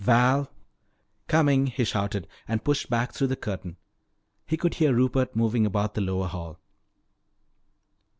"Val!" "Coming!" he shouted and pushed back through the curtain. He could hear Rupert moving about the lower hall.